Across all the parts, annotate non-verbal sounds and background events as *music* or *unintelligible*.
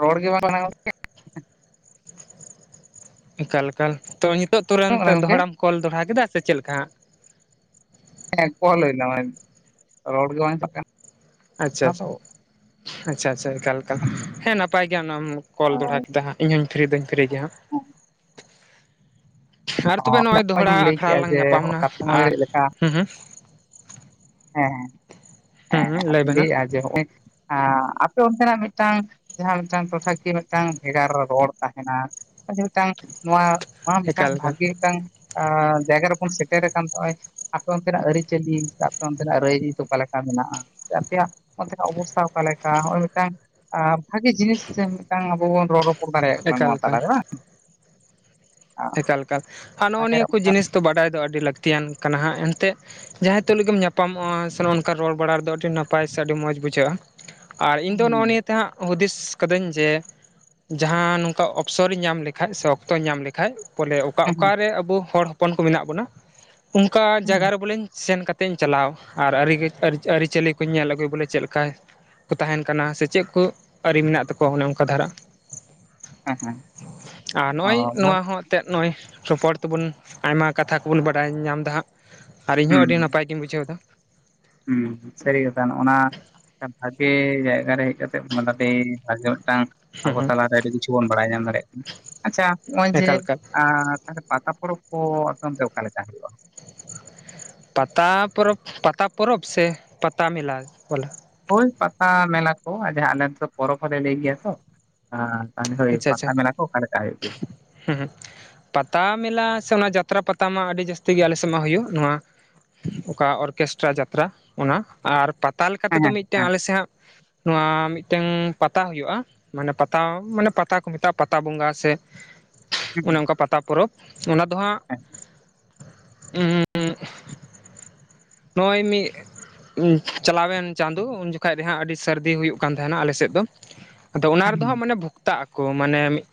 ᱨᱚᱲ ᱜᱮ ᱵᱟᱝ ᱢᱟᱱᱟᱣ *unintelligible* ᱮᱠᱟᱞ ᱮᱠᱟᱞ ᱛᱚ ᱱᱤᱛᱳᱜ ᱠᱟᱱᱟ ᱛᱩᱨᱟᱹᱱᱛ ᱜᱚᱝᱠᱮ ᱫᱚᱦᱲᱟᱢ ᱠᱚᱞ ᱫᱚᱲᱦᱲᱟ ᱠᱮᱫᱟ ᱥᱮ ᱪᱮᱫ ᱞᱮᱠᱟ ᱦᱟᱸᱜ ᱮᱠᱚ ᱞᱮᱭᱫᱟ ᱢᱟᱱᱮ ᱨᱚᱲ ᱜᱮ ᱵᱟᱝ ᱟᱸᱡᱚᱢᱼᱚᱜ ᱠᱟᱱᱟ ᱟᱪᱪᱷᱟ ᱟᱪᱷᱟ ᱛᱚ ᱟᱪᱪᱷᱟ ᱟᱪᱪᱷᱟ ᱮᱠᱟᱞ ᱮᱠᱟᱞ ᱦᱮᱸ ᱱᱟᱯᱟᱭ ᱜᱮᱭᱟ ᱚᱱᱟᱢ ᱠᱚᱞ ᱫᱚᱦᱲᱟ ᱠᱮᱫᱟ ᱦᱟᱸᱜ ᱤᱧᱦᱚᱸᱧ ᱦᱚᱸᱧ ᱯᱷᱤᱨᱤ ᱫᱚᱧ ᱯᱷᱤᱨᱤ ᱜᱮᱭᱟ ᱦᱟᱸᱜ ᱟᱨ ᱛᱚᱵᱮ ᱱᱚᱜᱼᱚᱭ ᱫᱚᱦᱲᱟ ᱚ ᱞᱟᱹᱭ ᱟᱠᱷᱲᱟ ᱠᱮᱜᱼᱟ ᱞᱟᱝ ᱡᱮ ᱧᱟᱯᱟᱢᱱᱟ ᱠᱟᱛᱷᱟ ᱢᱩᱫᱽᱨᱮ ᱟᱨ ᱪᱮᱫ ᱞᱮᱠᱟ ᱦᱩ ᱦᱩ ᱦᱮᱸ ᱦᱩᱸ ᱦᱮᱸ ᱦᱩᱸ ᱞᱟᱹᱭ ᱟᱫᱚᱧ ᱵᱮᱱ ᱦᱟᱸᱜ ᱞᱟᱹᱭᱮᱜᱼᱟ ᱡᱮ ᱦᱚᱸᱚᱭ ᱟᱯᱮ ᱚᱱᱛᱮᱱᱟᱜ ᱢᱤᱫᱴᱟᱝ ᱡᱟᱦᱟᱸ ᱢᱤᱫᱴᱟᱝ ᱴᱚᱴᱷᱟ ᱠᱤ ᱢᱤᱫᱴᱟᱝ ᱵᱷᱮᱜᱟᱨ ᱨᱮ ᱨᱚᱲ ᱛᱟᱦᱮᱱᱟ᱾ ᱢᱤᱫᱴᱟᱝ ᱱᱚᱣᱟ ᱱᱚᱣᱟ ᱢᱤᱫᱴᱟᱝ ᱮᱠᱟᱞ ᱮᱠᱟᱞ ᱵᱷᱟᱹᱜᱮ ᱢᱤᱫᱴᱟᱝ ᱟ ᱡᱟᱭᱜᱟ ᱨᱮᱵᱚᱱ ᱥᱮᱴᱮᱨ ᱟᱠᱟᱱ ᱛᱚ ᱱᱚᱼᱚᱭ, ᱟᱯᱮ ᱚᱱᱛᱮᱱᱟᱜ ᱟᱹᱨᱤᱪᱟᱹᱞᱤ ᱚᱱᱛᱮᱱᱟᱜ ᱨᱟᱹᱭ ᱡᱤᱛᱩ ᱚᱠᱟ ᱞᱮᱠᱟ ᱢᱮᱱᱟᱜᱼᱟ ᱥᱮ ᱟᱯᱮᱭᱟᱜ ᱚᱱᱛᱮᱱᱟᱜ ᱚᱵᱚᱥᱛᱷᱟ ᱚᱠᱟ ᱞᱮᱠᱟ ᱱᱚᱜᱼᱚᱭ ᱢᱤᱫᱴᱟᱝ ᱵᱷᱟᱜᱤ ᱡᱤᱱᱤᱥ ᱥᱮ ᱢᱤᱫᱴᱟᱝ ᱟᱵᱚ ᱵᱚᱱ ᱨᱚᱲ ᱨᱚᱯᱚᱲ ᱫᱟᱲᱮᱭᱟᱜ ᱠᱟᱱᱟ ᱮᱠᱟᱞ ᱱᱚᱣᱟ ᱮᱠᱟᱞ ᱛᱟᱞᱟᱨᱮ ᱵᱟᱝ ᱮᱠᱟᱞ ᱮᱠᱟᱞ ᱟᱨ ᱱᱚᱜᱼᱚ ᱛᱟᱦᱚᱞᱮ ᱱᱤᱭᱟᱹ ᱠᱚ ᱚᱱᱠᱟ ᱡᱤᱱᱤᱥ ᱫᱚ ᱵᱟᱰᱟᱭ ᱫᱚ ᱟᱹᱰᱤ ᱞᱟᱹᱠᱛᱤᱭᱟᱱ ᱠᱟᱱᱟ ᱦᱟᱸᱜ ᱮᱱᱛᱮᱫ᱾ ᱡᱟᱦᱟᱸᱭ ᱛᱩᱞᱩᱡ ᱜᱮᱢ ᱧᱟᱯᱟᱢᱚᱜᱼᱟ ᱥᱮ ᱚᱝᱠᱟ ᱨᱚᱲ ᱵᱟᱲᱟ ᱨᱮᱫᱚ ᱟᱹᱰᱤ ᱱᱟᱯᱟᱭ ᱥᱮ ᱟᱹᱰᱤ ᱢᱚᱸᱡᱽ ᱵᱩᱡᱷᱟᱹᱜᱼᱟ᱾ ᱟᱨ ᱤᱧ ᱫᱚ ᱱᱚᱜᱼᱚ ᱦᱩᱸ ᱱᱤᱭᱟᱹ ᱛᱮ ᱦᱟᱸᱜ ᱦᱩᱫᱤᱥ ᱠᱟᱹᱫᱟᱹᱧ ᱡᱮ ᱡᱟᱦᱟᱸ ᱱᱚᱝᱠᱟ ᱚᱯᱥᱚᱨᱤᱧ ᱧᱟᱢ ᱞᱮᱠᱷᱟᱡ ᱥᱮ ᱚᱠᱛᱚᱧ ᱧᱟᱢ ᱞᱮᱠᱷᱟᱱ ᱠᱷᱟᱡ ᱵᱚᱞᱮ ᱚᱠᱟ ᱦᱩᱸ ᱚᱠᱟᱨᱮ ᱟᱵᱚ ᱦᱚᱲ ᱦᱚᱯᱚᱱ ᱠᱚ ᱢᱮᱱᱟᱜ ᱵᱚᱱᱟ ᱚᱱᱠᱟ ᱡᱟᱭᱜᱟ ᱦᱩᱸ ᱨᱮ ᱵᱚᱞᱮᱧ ᱥᱮᱱ ᱠᱟ ᱛᱮᱧ ᱪᱟᱞᱟᱣ ᱟᱨ ᱟᱹᱨᱤᱪᱟᱹᱞᱤ ᱠᱚ ᱵᱚᱞᱮᱧ ᱧᱮᱞ ᱟᱹᱜᱩ ᱵᱚᱞᱮ ᱪᱮᱫ ᱞᱮᱠᱟ᱾ ᱠᱚ ᱛᱟᱦᱮᱱ ᱠᱟᱱᱟ ᱥᱮ ᱪᱮᱫ ᱠᱚ ᱟᱹᱨᱤ ᱢᱮᱱᱟᱜ ᱛᱟᱠᱚᱣᱟ ᱚᱱᱮ ᱚᱱᱠᱟ ᱫᱷᱟᱨᱟ ᱦᱮᱸ ᱦᱮᱸ ᱟᱨ ᱚ ᱱᱚᱜᱼᱚᱭ ᱱᱚᱣᱟ ᱦᱚᱸ ᱮᱛᱮᱫ ᱱᱚᱜᱼᱚᱭ ᱨᱚᱯᱚᱲ ᱛᱮᱵᱚᱱ ᱟᱭᱢᱟ ᱠᱟᱛᱷᱟ ᱠᱚᱵᱚᱱ ᱵᱟᱰᱟᱭ ᱧᱟᱢᱫᱟ ᱦᱟᱸᱜ ᱟᱨ ᱤᱧᱦᱚᱸ ᱟᱹᱰᱤ ᱦᱩᱸ ᱱᱟᱯᱟᱭ ᱜᱤᱧ ᱵᱩᱡᱷᱟᱹᱣᱫᱟ᱾ ᱦᱩᱸ ᱥᱟᱹᱨᱤ ᱠᱟᱛᱷᱟ ᱱᱚ-ᱚᱱᱟ ᱵᱷᱟᱜᱮ ᱡᱟᱭᱜᱟ ᱨᱮ ᱦᱮᱡ ᱠᱟᱛᱮᱜ *unintelligible* ᱮ ᱢᱤᱫᱴᱟᱝ ᱦᱮᱸ ᱟᱵᱚ ᱦᱮᱸ ᱛᱟᱞᱟᱨᱮ ᱟᱹᱰᱤ ᱠᱤᱪᱷᱩ ᱵᱚᱱ ᱵᱟᱲᱟᱭ ᱧᱟᱢ ᱫᱟᱲᱮᱭᱟᱜ ᱠᱟᱱᱟ ᱟᱪᱪᱷᱟ ᱱᱚᱜᱼᱚᱭ ᱡᱮ ᱮᱠᱟᱞ ᱮᱠᱟᱞ ᱛᱟᱦᱚᱞᱮ ᱯᱟᱛᱟ ᱯᱚᱨᱚᱵᱽ ᱠᱚ ᱟᱯᱮ ᱚᱱᱛᱮ ᱚᱠᱟ ᱞᱮᱠᱟ ᱦᱩᱭᱩᱜᱼᱟ? ᱯᱟᱛᱟ ᱯᱚᱨᱚᱵᱽ, ᱯᱟᱛᱟ ᱯᱚᱨᱚᱵᱽ ᱥᱮ ᱯᱟᱛᱟ ᱢᱮᱞᱟ ᱵᱚᱞᱮ? ᱦᱳᱭ ᱯᱟᱛᱟ ᱢᱮᱞᱟ ᱠᱚ *unintelligible* ᱡᱟᱦᱟᱸ ᱟᱞᱮ ᱫᱚ ᱯᱚᱨᱚᱵᱽ ᱦᱚᱸᱞᱮ ᱞᱟᱹᱭ ᱜᱮᱭᱟ ᱛᱚ ᱦᱟ ᱛᱟᱦᱚᱞᱮ ᱦᱳᱭ ᱟᱪᱪᱷᱟ ᱟᱪᱪᱷᱟ ᱯᱟᱛᱟ ᱢᱮᱞᱟ ᱠᱚ ᱚᱠᱟ ᱞᱮᱠᱟ ᱦᱳᱭᱳᱜ ᱜᱮᱭᱟ? *unintelligible* ᱯᱟᱛᱟ ᱢᱮᱞᱟ ᱥᱮ ᱚᱱᱟ ᱡᱟᱛᱨᱟ ᱯᱟᱛᱟ ᱢᱟ ᱟᱹᱰᱤ ᱡᱟᱹᱥᱛᱤ ᱜᱮ ᱟᱞᱮᱥᱮᱫ ᱢᱟ ᱦᱩᱭᱩᱜ ᱱᱚᱣᱟ ᱚᱠᱟ ᱚᱨᱠᱮᱥᱴᱨᱟ ᱡᱟᱛᱨᱟ ᱚᱱᱟ ᱟᱨ ᱯᱟ ᱯᱟᱛᱟ ᱞᱮᱠᱟ ᱦᱮᱸ ᱛᱮᱫᱚ ᱢᱤᱫᱴᱮᱱ ᱦᱮᱸ ᱟᱞᱮᱥᱭᱟᱜ ᱱᱚᱣᱟ ᱢᱤᱫᱴᱮᱱ ᱯᱟᱛᱟ ᱦᱩᱭᱩᱜᱼᱟ ᱢᱟᱱᱮ ᱯᱟᱛᱟ ᱢᱟᱱᱮ ᱯᱟᱛᱟ ᱠᱚ ᱢᱮᱛᱟᱜᱼᱟ ᱯᱟᱛᱟ ᱵᱚᱸᱜᱟ ᱥᱮ, ᱦᱮᱸ ᱚᱱᱮ ᱚᱱᱠᱟ ᱯᱟ ᱛᱟ ᱯᱚᱨᱚᱵᱽ ᱚᱱᱟ ᱫᱚ ᱦᱟᱸᱜ ᱩ ᱱᱚᱜᱼᱚᱭ ᱢᱤᱫ ᱪᱟᱞᱟᱣᱮᱱ ᱪᱟᱸᱫᱚ ᱩᱱ ᱡᱚᱠᱷᱚᱡ ᱫᱚ ᱦᱟᱸᱜ ᱟᱹᱰᱤ ᱥᱟᱹᱨᱫᱤ ᱦᱩᱭᱩᱜ ᱠᱟᱱ ᱛᱟᱦᱮᱱᱟ ᱟᱞᱮ ᱥᱮᱫ ᱫᱚ᱾ ᱟᱫᱚ ᱚᱱᱟ ᱦᱮᱸ ᱨᱮᱫᱚ ᱦᱟᱸᱜ ᱦᱮᱸ ᱢᱟᱱᱮ ᱵᱷᱚᱠᱛᱟᱜ ᱟᱠᱚ ᱢᱟᱱᱮ ᱢᱤᱫ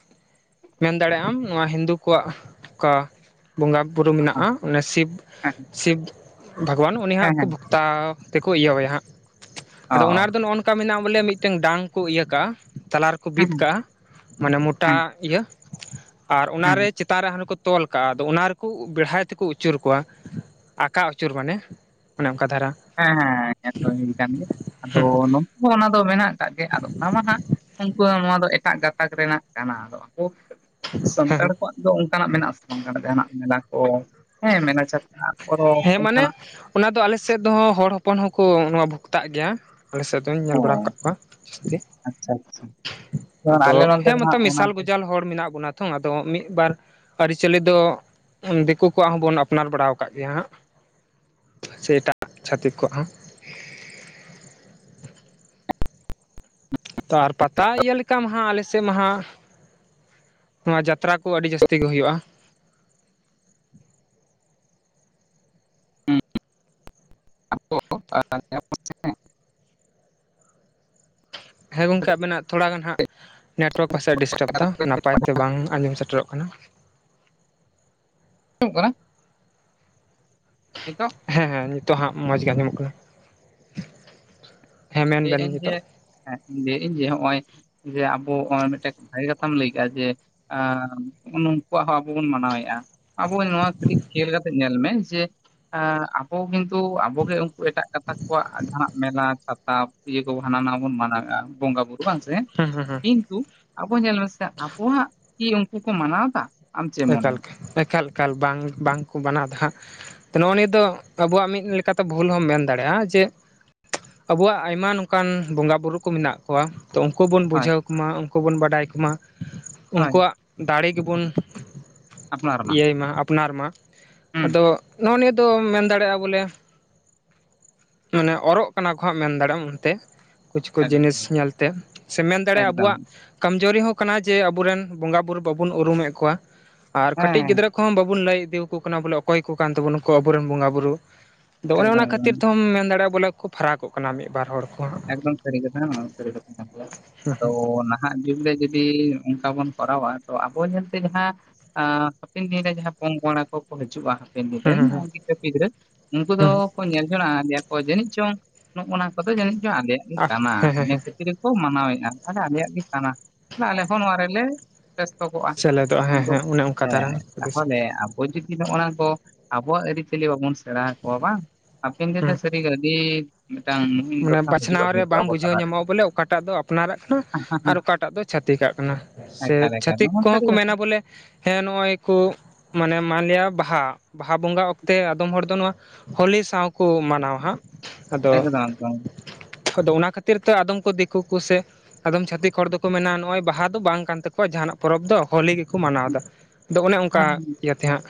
ᱢᱮᱱ ᱫᱟᱲᱮᱭᱟᱜ ᱟᱢ ᱱᱚᱣᱟ ᱦᱤᱱᱫᱩ ᱠᱚᱣᱟᱜ ᱚᱠᱟ ᱵᱚᱸᱜᱟ ᱵᱩᱨᱩ ᱢᱮᱱᱟᱜᱼᱟ ᱚᱱᱮ ᱥᱤᱵᱽ ᱥᱤᱵᱽ ᱵᱷᱟᱜᱽᱣᱟᱱ ᱩᱱᱤ ᱦᱟᱸᱟᱜ ᱦᱮᱸ ᱦᱮᱸ ᱦᱮᱸ ᱦᱮᱸ ᱦᱮᱸ ᱠᱚ ᱦᱮᱸ ᱵᱷᱚᱠᱛᱟ ᱛᱮᱠᱚ ᱤᱭᱟᱹᱣᱭᱟ ᱦᱟᱸᱜ ᱚ ᱟᱫᱚ ᱚᱱᱟ ᱨᱮᱫᱚ ᱱᱚᱜᱼᱚ ᱚᱱᱠᱟ ᱢᱮᱱᱟᱜᱼᱟ ᱵᱚᱞᱮ ᱢᱤᱫᱴᱮᱱ ᱰᱟᱝ ᱠᱚ ᱤᱭᱟᱹ ᱠᱟᱜᱼᱟ ᱛᱟᱞᱞᱟ ᱨᱮᱠᱚ ᱦᱮᱸ ᱵᱤᱫ ᱦᱮᱸ ᱠᱟᱜᱼᱟ ᱢᱟᱱᱮ ᱢᱚᱴᱟ ᱦᱮᱸ ᱤᱭᱟᱹ ᱟᱨ ᱦᱮᱸ ᱚᱱᱟᱨᱮ ᱪᱮᱛᱟᱱ ᱨᱮ *unintelligible* ᱠᱚ ᱛᱚᱞ ᱠᱟᱜᱼᱟ ᱟᱫᱚ ᱚᱱᱟ ᱨᱮᱠᱚ ᱵᱮᱲᱦᱟᱭ ᱛᱮᱠᱚ ᱟᱹᱪᱩᱨ ᱠᱚᱣᱟ ᱟᱠᱟ ᱟᱹᱪᱩᱨ ᱢᱟᱱᱮ, ᱚᱱᱮ ᱚᱱᱠᱟ ᱫᱷᱟᱨᱟ ᱦᱮᱸ ᱦᱮᱸ *unintelligible* ᱦᱩᱭ ᱠᱟᱱ ᱜᱮᱭᱟ ᱟᱫᱚ ᱚᱱᱟ ᱫᱚ ᱢᱮᱱᱟᱜ ᱠᱟᱫ ᱜᱮ ᱟᱫᱚ ᱚᱱᱟ ᱢᱟ ᱦᱟᱸᱜ ᱩᱱᱠᱩ ᱱᱚᱣᱟ ᱫᱚ ᱮᱴᱟᱜ ᱜᱟᱛᱟᱠ ᱨᱮᱱᱟᱜ ᱠᱟᱱᱟ ᱟᱫᱚ *unintelligible* ᱥᱟᱱᱛᱟᱲ ᱦᱮᱸ ᱠᱚᱣᱟᱜ ᱫᱚ ᱚᱱᱠᱟᱱᱟᱜ ᱢᱮᱱᱟᱜ ᱟᱥᱮ ᱵᱟᱝ ᱠᱟᱱᱟ ᱡᱟᱦᱟᱸᱱᱟᱜ ᱢᱮᱞᱟ ᱠᱚ ᱦᱮᱸ ᱢᱮᱞᱟ ᱪᱷᱟᱛᱟ ᱯᱚᱨᱚᱵᱽ ᱦᱮᱸ ᱢᱟᱱᱮ ᱚᱱᱠᱟᱱᱟᱜ ᱚᱱᱟ ᱫᱚ ᱟᱞᱮᱥᱮᱫ ᱫᱚ ᱦᱚᱲ ᱦᱚᱯᱚᱱ ᱦᱚᱸᱠᱚ ᱱᱚᱣᱟ ᱵᱷᱚᱠᱛᱟᱜ ᱜᱮᱭᱟ ᱟᱞᱮᱥᱮᱫ ᱫᱚ *unintelligible* ᱧᱮᱞ ᱚ ᱵᱟᱲᱟ ᱠᱟᱫ ᱠᱚᱣᱟ ᱡᱟᱹᱥᱛᱤ ᱟᱪᱪᱷᱟ ᱟᱪᱪᱷᱟ ᱡᱮᱢᱚᱱ ᱟᱞᱮ ᱟᱫᱚ ᱱᱚᱱᱛᱮ ᱦᱮᱸ ᱫᱚ ᱢᱚᱛᱚ ᱦᱟᱸᱜ ᱚᱱᱟ ᱢᱮᱥᱟᱞ ᱠᱚ ᱜᱚᱡᱟᱞ ᱦᱚᱲ ᱢᱮᱱᱟᱜ ᱵᱚᱱᱟ ᱛᱷᱚ ᱟᱫᱚ ᱢᱤᱫ ᱵᱟᱨ ᱟᱹᱨᱤᱪᱟᱹᱞᱤ ᱫᱚ ᱫᱤᱠᱩ ᱠᱚᱣᱟᱜ ᱦᱚᱸᱵᱚᱱ ᱟᱯᱱᱟᱨ ᱵᱟᱲᱟᱣ ᱠᱟᱜ ᱜᱮᱭᱟ ᱦᱟᱸᱜ, ᱥᱮ ᱮᱴᱟᱜ ᱪᱷᱟᱹᱛᱤᱠ ᱠᱚᱣᱟᱜ ᱦᱚᱸ ᱛᱚ ᱟᱨ ᱯᱟᱛᱟ ᱤᱭᱟᱹ ᱞᱮᱠᱟ ᱢᱟᱦᱟᱜ ᱟᱞᱮ ᱥᱮ ᱢᱟᱦᱟ ᱱᱚᱣᱟ ᱡᱟᱛᱨᱟ ᱠᱚ ᱟᱹᱰᱤ ᱡᱟᱹᱥᱛᱤ ᱜᱮ ᱦᱩᱭᱩᱜᱼᱟ᱾ ᱦᱩᱸ *inaudible* ᱦᱮᱸ ᱜᱚᱝᱠᱮ ᱟᱵᱮᱱᱟᱜ ᱛᱷᱚᱲᱟ ᱜᱟᱱ ᱦᱟᱸᱜ ᱱᱮᱴᱣᱟᱨᱠ ᱯᱟᱥᱮᱡ ᱰᱤᱥᱴᱟᱵᱽ ᱫᱟ ᱱᱟᱯᱟᱭ ᱛᱮ ᱵᱟᱝ ᱟᱸᱡᱚᱢ ᱥᱮᱴᱮᱨᱚᱜ ᱠᱟᱱᱟ᱾ *inaudible* ᱠᱟᱱᱟ? ᱱᱮᱛᱚᱜ? ᱦᱮᱸ ᱦᱮᱸ, ᱱᱤᱛᱚᱜ ᱦᱟᱸᱜ ᱢᱚᱸᱡᱽ ᱜᱮ ᱟᱸᱡᱚᱢᱚᱜ ᱠᱟᱱᱟ᱾ ᱦᱮᱸ ᱢᱮᱱ ᱞᱟᱹᱭᱮᱜ ᱵᱮᱱ ᱟᱹᱧ ᱡᱮ, ᱱᱤᱛᱚᱜ ᱦᱮᱸ, ᱞᱟᱹᱭᱮᱜ ᱟᱹᱧ ᱡᱮ, ᱦᱚᱸᱜ ᱚᱭ ᱡᱮ ᱟᱵᱚ ᱦᱚᱜ-ᱚᱭ ᱢᱤᱫᱴᱮᱡ ᱵᱷᱟᱜᱮ ᱠᱟᱛᱷᱟᱢ ᱞᱟᱹᱭ ᱠᱟᱜᱼᱟ ᱡᱮ ᱮᱸ ᱩᱱ ᱩᱝᱠᱩᱣᱟᱜ ᱦᱚᱸ ᱟᱵᱚ ᱵᱚᱱ ᱢᱟᱱᱟᱣᱮᱜᱼᱟ᱾ ᱟᱵᱚ ᱱᱚᱣᱟ ᱠᱟᱹᱴᱤᱡ ᱠᱷᱮᱞ ᱠᱟᱛᱮᱜ ᱧᱮᱞ ᱢᱮ ᱡᱮ ᱟᱵᱚ ᱠᱤᱱᱛᱩ ᱟᱵᱚᱜᱮ ᱩᱝ ᱠᱩ ᱮᱴᱟᱜ ᱜᱟᱛᱟᱠ ᱠᱚᱣᱟᱜ ᱡᱟᱦᱟᱸᱱᱟᱜ ᱢᱮᱞᱟ ᱪᱷᱟᱛᱟ ᱤᱭᱟᱹ ᱠᱚ ᱦᱟᱱᱟ ᱱᱟᱣᱟ ᱵᱚᱱ ᱢᱟᱱᱟᱣᱮᱜᱼᱟ ᱵᱚᱸᱜᱟ ᱵᱩᱨᱩ ᱵᱟᱝ ᱥᱮ? ᱦᱮᱸ ᱦᱮᱸ ᱦᱮᱸ ᱠᱤᱱᱛᱩ, ᱟᱵᱚ ᱧᱮᱞ ᱢᱮᱥᱮ ᱟᱵᱚᱣᱟᱜ ᱠᱤ ᱩᱱᱠᱩ ᱠᱚ ᱢᱟᱱᱟᱣᱫᱟ? ᱮᱠᱟᱞ, ᱮᱠᱟᱞ ᱵᱟᱝ ᱵᱟᱝ ᱠᱚ ᱵᱟᱱᱟᱣ ᱫᱟ ᱦᱟᱸᱜ ᱾ ᱛᱚ ᱱᱚᱜᱼᱚ ᱱᱤᱭᱟᱹ ᱫᱚ ᱟᱵᱚᱣᱟᱜ ᱢᱤᱫ ᱞᱮᱠᱟᱛᱮ ᱵᱷᱩᱞ ᱦᱚᱸᱢ ᱢᱮᱱ ᱫᱟᱲᱮᱜᱼᱟ ᱡᱮ ᱟᱵᱚᱣᱟᱜ ᱟᱭᱢᱟ ᱱᱚᱝᱠᱟᱱ ᱵᱚᱸᱜᱟ ᱵᱩᱨᱩ ᱠᱚ ᱢᱮᱱᱟᱜ ᱠᱚᱣᱟ ᱛᱚ ᱩᱱᱠᱩ ᱵᱚᱱ ᱦᱳᱭ ᱵᱩᱡᱷᱟᱹᱣ ᱠᱚᱢᱟ, ᱩᱱᱠᱩ ᱵᱚᱱ ᱵᱟᱰᱟᱭ ᱠᱚᱢᱟ, ᱦᱳᱭ ᱩᱱᱠᱩᱣᱟᱜ ᱫᱟᱲᱮ ᱜᱮᱵᱚᱱ ᱤᱭᱟᱹᱭ ᱢᱟ, ᱟᱯᱱᱟᱨ ᱢᱟ, ᱦᱩᱸ ᱟᱫᱚ ᱱᱚᱜᱼᱚ ᱱᱤᱭᱟᱹ ᱫᱚ ᱢᱮᱱ ᱫᱟᱲᱮᱜᱼᱟ ᱵᱚᱞᱮ ᱢᱟᱱᱮ ᱚᱨᱚᱜ ᱠᱟᱱᱟ ᱠᱚ ᱦᱟᱸᱜ ᱢᱮᱱ ᱫᱟᱲᱮᱜ ᱟᱢ ᱚᱱᱛᱮ᱾ ᱠᱩᱪᱷ ᱠᱩᱪᱷ ᱡᱤᱱᱤᱥ ᱮᱠᱫᱚᱢ ᱧᱮᱞᱛᱮ, ᱥᱮ ᱢᱮᱱ ᱫᱟᱲᱮᱜᱼᱟ ᱮᱠᱫᱚᱢ ᱟᱵᱚᱣᱟᱜ ᱠᱚᱢᱡᱚᱨᱤ ᱦᱚᱸ ᱠᱟᱱᱟ ᱡᱮ, ᱟᱵᱚᱨᱮᱱ ᱵᱚᱸᱜᱟ ᱵᱩᱨᱩ ᱵᱟᱵᱚᱱ ᱩᱨᱩᱢᱮᱜ ᱠᱚᱣᱟ᱾ ᱟᱨ ᱦᱮᱸ ᱠᱟᱹᱴᱤᱡ ᱦᱮᱸ ᱜᱤᱫᱽᱨᱟᱹ ᱠᱚᱦᱚᱸ, ᱵᱟᱵᱚᱱ ᱞᱟᱹᱭ ᱤᱫᱤᱣᱟᱠᱚ ᱠᱟᱱᱟ᱾ ᱵᱚᱞᱮ ᱚᱠᱚᱭ ᱠᱚ ᱠᱟᱱ ᱛᱟᱵᱚᱱᱟ ᱠᱚ ᱟᱵᱚᱨᱮᱱ ᱵᱚᱸᱜᱟ ᱵᱩᱨᱩ᱾ ᱟᱫᱚ ᱚᱱᱮ ᱚᱱᱟ ᱮᱠᱫᱚᱢ ᱮᱠᱫᱚᱢ ᱠᱷᱟᱹᱛᱤᱨ ᱛᱮᱦᱚᱢ ᱢᱮᱱ ᱫᱟᱲᱮᱜᱼᱟ, ᱵᱚᱞᱮ ᱠᱚ ᱯᱷᱟᱨᱟ ᱠᱚᱜ ᱠᱟᱱᱟ ᱢᱤᱜ ᱵᱟᱨ ᱦᱚᱲ᱾ ᱦᱟᱸᱜ ᱮᱠᱫᱚᱢ ᱥᱟᱹᱨᱤ ᱠᱟᱛᱷᱟ ᱱᱚᱣᱟ ᱥᱟᱹᱨᱤ ᱠᱟᱛᱷᱟ ᱠᱟᱱ ᱜᱮᱭᱟ᱾ ᱟᱫᱚ ᱱᱟ ᱦᱟᱜ ᱡᱩᱜᱽ ᱨᱮ ᱡᱩᱫᱤ ᱚᱱᱠᱟ ᱵᱚᱱ ᱠᱚᱨᱟᱣᱟ ᱛᱚ ᱟᱵᱚ ᱧᱮᱞᱛᱮ ᱡᱟᱦᱟᱸ ᱦᱟᱯᱮᱱ ᱫᱤᱱ ᱨᱮ ᱡᱟᱦᱟᱸ ᱯᱚᱼᱯᱚᱝᱲᱟ ᱠᱚᱠᱚ ᱦᱤᱹᱡᱩᱜᱼᱟ ᱨᱮᱱ ᱦᱮᱸ ᱦᱮᱸ ᱜᱤᱫᱽᱨᱟᱹ ᱯᱤᱫᱽᱨᱟᱹ ᱩᱱᱠᱩ ᱫᱚ ᱦᱮᱸ ᱧᱮᱞ ᱡᱚᱱᱚᱜ-ᱟ, ᱟᱫᱮᱭᱟ ᱠᱚ ᱡᱟᱹᱱᱤᱡ ᱪᱚᱝ ᱱᱚᱜᱼᱱᱟ ᱠᱚᱫᱚ ᱡᱟᱹᱱᱤᱡ ᱪᱚᱝ ᱟᱞᱮᱭᱟᱜ ᱜᱮ ᱠᱟᱱᱟ᱾ ᱦᱮᱸ ᱦᱮᱸ ᱤᱱᱟᱹ ᱠᱷᱟᱹᱛᱤᱨ ᱠᱚ ᱢᱟᱱᱟᱣᱮᱫᱼᱟ᱾ ᱛᱟᱦᱚᱞᱮ ᱟᱞᱮᱭᱟᱜ ᱜᱮ ᱠᱟᱱᱟ᱾ ᱟᱞᱮ ᱦᱚᱸ ᱱᱚᱣᱟ ᱨᱮᱞᱮ ᱵᱮᱥᱛᱚᱠᱚᱜᱼᱟ, ᱥᱮᱞᱮᱫᱚᱜᱼᱟ ᱦᱮᱸ ᱠᱤᱱᱛᱩ ᱦᱮᱸ ᱚᱱᱮ ᱚᱱᱠᱟ ᱫᱷᱟᱨᱟ ᱦᱮᱸ, ᱦᱩᱫᱤᱥ ᱛᱟᱦᱚᱞᱮ ᱚᱞ ᱪᱤᱠᱤ ᱫᱚ ᱚᱱᱟ ᱠᱚ ᱟᱵᱚᱣᱟᱜ ᱟᱹᱨᱤᱪᱟᱹᱞᱤ ᱵᱟᱵᱚᱱ ᱥᱮᱬᱟ ᱦᱟᱠᱚᱣᱟ ᱵᱟᱝ ᱦᱟᱯᱮᱱ ᱫᱤᱱ ᱨᱮ ᱥᱟᱹᱨᱤ ᱜᱮ ᱟᱹᱰᱤ ᱢᱤᱫᱴᱟᱝ ᱢᱩᱦᱤᱢ ᱢᱚᱱᱮ ᱫᱚᱥᱟ ᱵᱟᱪ ᱦᱤᱡᱩᱜᱼᱟ ᱱᱟᱣ ᱨᱮ ᱠᱤᱱᱛᱩ ᱵᱟᱝ ᱟᱵᱚ ᱵᱩᱡᱷᱟᱹᱣ ᱛᱟᱞᱟᱨᱮ ᱧᱟᱢᱚᱜᱼᱟ ᱵᱚᱞᱮ, ᱚᱠᱟᱴᱟᱜ ᱫᱚ ᱟᱯᱱᱟᱨᱟᱜ ᱠᱟᱱᱟ, ᱟᱨ ᱚᱠᱟᱴᱟᱜ ᱫᱚ ᱪᱷᱟᱹᱛᱤᱠᱟᱜ ᱠᱟᱱᱟ᱾ ᱥᱮ ᱮᱠᱟᱞ ᱮᱠᱟᱞ ᱪᱷᱟᱹᱛᱤᱠ ᱱᱚᱣᱟ ᱠᱚᱦᱚᱸ ᱥᱟᱹᱨᱤ ᱠᱚ ᱠᱟᱛᱷᱟ ᱢᱮᱱᱟ ᱵᱚᱞᱮ ᱦᱮᱸ ᱱᱚᱜᱼᱚᱭ ᱠᱚ ᱢᱟᱱᱮ ᱢᱟᱱᱞᱤᱭᱟ ᱵᱟᱦᱟ᱾ ᱵᱟᱦᱟ ᱵᱚᱸᱜᱟ ᱚᱠᱛᱮ ᱟᱫᱚᱢ ᱦᱚᱲ ᱫᱚ ᱱᱚᱣᱟ ᱦᱳᱞᱤ ᱥᱟᱣ ᱠᱚ ᱢᱟᱱᱟᱣᱟ ᱦᱟᱸᱜ᱾ ᱟᱫᱚ ᱮᱠᱫᱚᱢ ᱮᱠᱫᱚᱢ ᱾ ᱟᱫᱚ ᱚᱱᱟ ᱠᱷᱟᱹᱛᱤᱨ ᱛᱮ ᱟᱫᱚᱢ ᱠᱚ ᱫᱤᱠᱩ ᱠᱚᱥᱮ ᱟᱫᱚᱢ ᱪᱷᱟᱹᱛᱤᱠ ᱦᱚᱲ ᱫᱚᱠᱚ ᱢᱮᱱᱟ, ᱱᱚᱜᱼᱚᱭ ᱵᱟᱦᱟ ᱫᱚ ᱵᱟᱝ ᱠᱟᱱ ᱛᱟᱠᱚᱣᱟ, ᱡᱟᱦᱟᱱᱟᱜ ᱯᱚᱨᱚᱵᱽ ᱫᱚ ᱦᱳᱞᱤ ᱜᱮᱠᱚ ᱢᱟᱱᱟᱣᱫᱟ ᱾ ᱫᱚ ᱚᱱᱮ ᱦᱮᱸ ᱚᱱᱠᱟ, ᱦᱮᱸ ᱤᱭᱟᱹ ᱛᱮᱦᱟᱸᱜ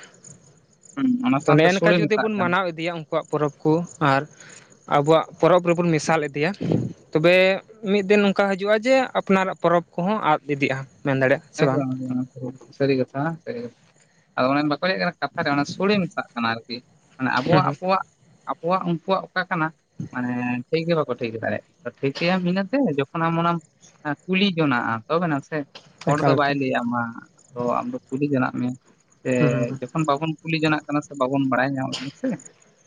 ᱦᱮᱸ, ᱚᱱᱟ ᱛᱚ ᱥᱟᱶᱛᱮ ᱱᱮᱜ-ᱮ ᱱᱮᱠᱟ ᱥᱳᱲᱮ ᱡᱩᱫᱤ ᱢᱮᱥᱟᱜ ᱵᱚᱱ ᱠᱟᱱᱟ ᱢᱟᱱᱟᱣ ᱤᱫᱤᱭᱟ ᱚᱝᱠ ᱼᱼ ᱟᱠᱚᱣᱟᱜ ᱯᱚᱨᱚᱵᱽ ᱠᱚ, ᱟᱨ ᱟᱵᱚᱣᱟᱜ ᱯᱚᱨᱚᱵᱽ ᱨᱮᱵᱚᱱ ᱢᱮᱥᱟᱞ ᱤᱫᱤᱭᱟ ᱛᱚᱵᱮ ᱢᱤᱫ ᱫᱤᱱ ᱱᱚᱝᱠᱟ ᱦᱟᱹᱡᱩᱜᱼᱟ ᱡᱮ, ᱟᱯᱱᱟᱨᱟᱜ ᱯᱚᱨᱚᱵᱽ ᱠᱚᱦᱚᱸ ᱟᱫ ᱤᱫᱤᱜᱼᱟ᱾ ᱢᱮᱱ ᱫᱟᱲᱮᱜᱼᱟ᱾ ᱮᱠᱫᱚᱢ, ᱮᱠᱫᱚᱢ᱾ ᱥᱟᱹᱨᱤ ᱠᱟᱛᱷᱟ, ᱥᱟᱹᱨᱤ ᱠᱟᱛᱷᱟ ᱾ ᱟᱫᱚ ᱚᱱᱮ ᱵᱟᱠᱚ ᱞᱟᱹᱭᱮᱜ ᱠᱟᱱᱟ ᱠᱟᱛᱷᱟ ᱨᱮ ᱚᱱᱟ ᱥᱚᱲᱮ ᱢᱮᱥᱟᱜ ᱠᱟᱱᱟ ᱟᱨᱠᱤ᱾ ᱢᱟᱱᱮ ᱦᱩᱸ ᱟᱵᱚᱣᱟᱜ, ᱦᱩᱸ ᱟᱵᱚᱣᱟᱜ, ᱟᱵᱚᱣᱟᱜ, ᱩᱱᱠᱩᱣᱟᱜ ᱚᱠᱟ ᱠᱟᱱᱟ, ᱢᱟᱱᱮ ᱴᱷᱤᱠ ᱜᱮ ᱵᱟᱠᱚ ᱴᱷᱤᱠ ᱫᱟᱲᱮᱭᱟᱜ ᱴᱷᱤᱠᱟᱹᱭᱟᱢ ᱤᱱᱟᱹᱛᱮ ᱡᱚᱠᱷᱚᱱ ᱟᱢ ᱚᱱᱟᱢ ᱠᱩᱞᱤ ᱡᱚᱱᱟᱜᱼᱟ ᱛᱚᱵᱮ ᱱᱟᱥᱮ ᱾ ᱦᱚᱲ ᱮᱠᱟᱞ ᱫᱚ ᱵᱟᱭ ᱮᱠᱟᱞ ᱞᱟᱹᱭ ᱟᱢᱼᱟ ᱛᱚ, ᱟᱢ ᱫᱚ ᱠᱩᱞᱤ ᱡᱚᱱᱟᱜ ᱢᱮ, ᱥᱮ ᱦᱩᱸ ᱦᱩᱸ ᱡᱚᱠᱷᱚᱱ ᱵᱟᱵᱚᱱ ᱠᱩᱞᱤ ᱡᱚᱱᱟᱜ ᱠᱟᱱᱟ ᱥᱮ ᱵᱟᱵᱚᱱ ᱵᱟᱲᱟᱭ ᱧᱟᱢᱮᱜ ᱠᱟᱱᱟ ᱥᱮ